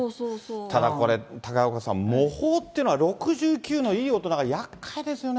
ただこれ、高岡さん、模倣っていうのは、６９のいい大人がやっかいですよね。